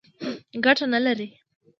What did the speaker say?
ګټه نه لري.